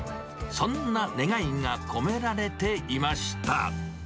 そんな願いが込められていました。